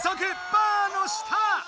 バーの下！